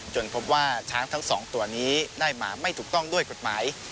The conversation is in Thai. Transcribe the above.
พบว่าช้างทั้งสองตัวนี้ได้มาไม่ถูกต้องด้วยกฎหมาย